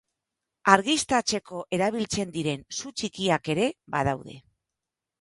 Argiztatzeko erabiltzen diren su txikiak ere badaude.